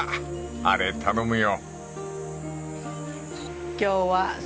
［あれ頼むよ］